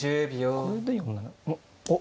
これで４七おっ！